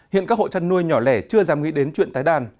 hiện các hộ chăn nuôi nhỏ lẻ chưa dám nghĩ đến chuyện tái đàn